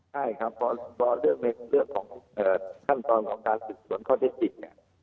ใช่ครับเพราะเลือกขั้นตอนของการสื่อส่วนข้อเท็จจริง